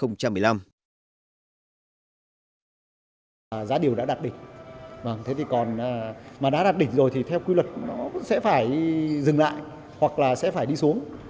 giá điều đã đạt đỉnh mà đã đạt đỉnh rồi thì theo quy luật nó sẽ phải dừng lại hoặc là sẽ phải đi xuống